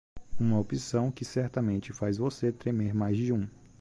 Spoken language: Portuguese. Uma opção que certamente faz você tremer mais de um.